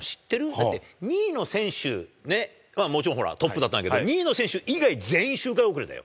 だって２位の選手ね、もちろんほら、トップだったんだけど、２位の選手以外、全員周回遅れだよ。